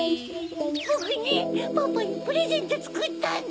ボクねパパにプレゼントつくったんだ。